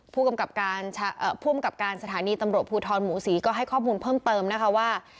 ผู้กำกับการสถานีตำรวจภูทรหมูศรีก็ให้ข้อมูลเพิ่มเติมนะคะว่า